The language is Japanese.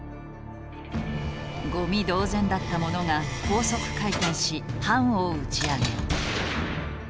ごみ同然だったものが高速回転しパンを打ち上げる。